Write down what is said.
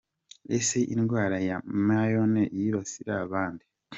Ese indwara ya Myome yibasira bande?.